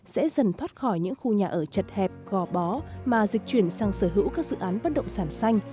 sẽ dần thoát khỏi những khu nhà ở chật hẹp gò bó mà dịch chuyển sang sở hữu các dự án bất động sản xanh